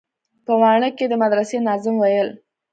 په واڼه کښې د مدرسې ناظم ويل.